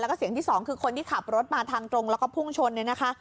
แล้วก็เสียงที่สองคือคนที่ขับรถมาทางตรงแล้วก็พุ่งชนเนี่ยนะคะ